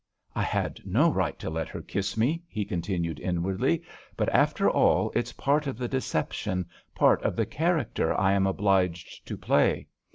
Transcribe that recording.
"I had no right to let her kiss me," he continued inwardly, "but, after all, it's part of the deception, part of the character I am obliged to play."